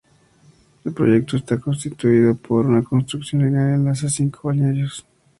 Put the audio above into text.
El proyecto está constituido por una construcción lineal que enlaza cinco balnearios.